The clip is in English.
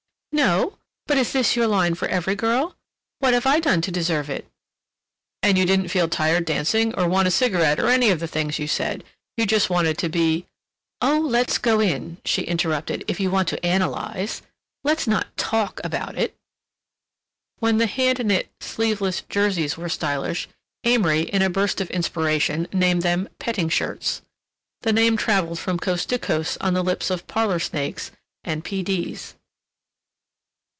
"No—but is this your line for every girl? What have I done to deserve it?" "And you didn't feel tired dancing or want a cigarette or any of the things you said? You just wanted to be—" "Oh, let's go in," she interrupted, "if you want to analyze. Let's not talk about it." When the hand knit, sleeveless jerseys were stylish, Amory, in a burst of inspiration, named them "petting shirts." The name travelled from coast to coast on the lips of parlor snakes and P. D.'s.